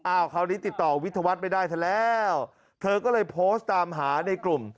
คราวนี้ติดต่อวิทยาวัฒน์ไม่ได้เธอแล้วเธอก็เลยโพสต์ตามหาในกลุ่ม